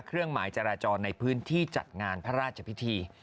เครื่องหมายจราจรในพื้นที่จัดงานพระราชพิธี